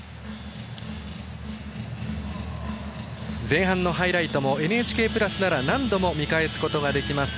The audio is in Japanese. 前半のハイライトもＮＨＫプラスなら何度も見返すことができます。